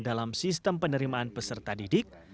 dalam sistem penerimaan peserta didik